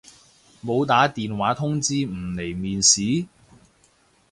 冇打電話通知唔嚟面試？